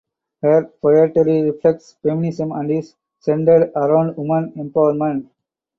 Her poetry reflects feminism and is centred around women empowerment.